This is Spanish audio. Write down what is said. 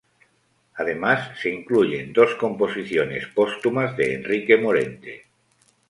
Además, se incluyen dos composiciones póstumas de Enrique Morente.